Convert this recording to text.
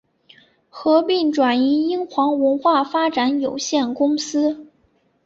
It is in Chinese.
合并移转英皇文化发展有限公司。